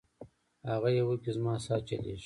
هغه یوه کي زما سا چلیږي